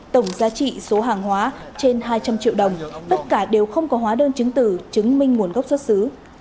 tổng giá trị số hàng hóa trên hai trăm linh triệu đồng tất cả đều không có hóa đơn chứng tử chứng minh nguồn gốc xuất xứ